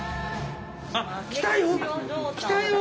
あっ来たよ。